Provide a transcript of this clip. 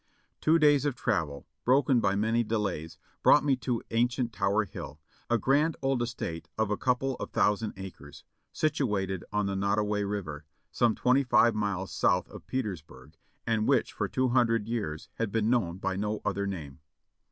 Two days of travel, broken by many delays, brought me to ancient Tower Hill, a grand old estate of a couple of thousand acres, situated on the Nottoway River, some twenty five miles south of Petersburg, and which for two hundred years had been known by no other name.